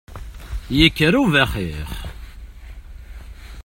Yekker ubaxix!